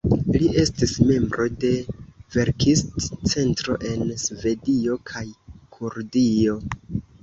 Li estis membro de verkist-centro en Svedio kaj Kurdio.